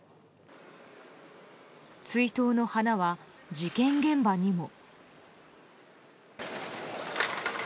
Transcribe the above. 追悼の花は事件現場にも。